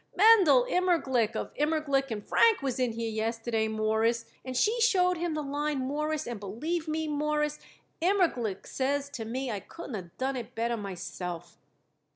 Mendel Immerglick, of Immerglick & Frank, was in here yesterday, Mawruss, and she showed him the line, Mawruss, and believe me, Mawruss, Immerglick says to me I couldn't have done it better myself."